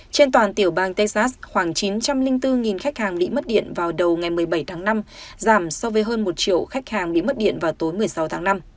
trên toàn tiểu bang texas khoảng chín trăm linh bốn khách hàng bị mất điện vào đầu ngày một mươi bảy tháng năm giảm so với hơn một triệu khách hàng bị mất điện vào tối một mươi sáu tháng năm